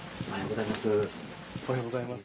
おはようございます。